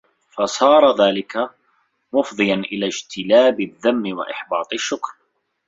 فَصَارَ ذَلِكَ مُفْضِيًا إلَى اجْتِلَابِ الذَّمِّ وَإِحْبَاطِ الشُّكْرِ